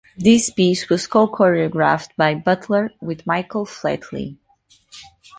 The piece was co-choreographed by Butler with Michael Flatley.